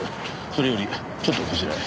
それよりちょっとこちらへ。